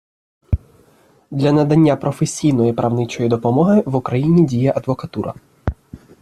Для надання професійної правничої допомоги в Україні діє адвокатура.